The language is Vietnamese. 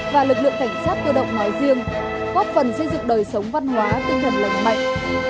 và lực lượng cảnh sát cơ động nói riêng góp phần xây dựng đời sống văn hóa tinh thần lành mạnh